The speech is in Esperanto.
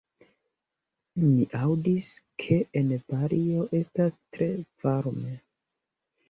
Mi aŭdis, ke en Balio estas tre varme.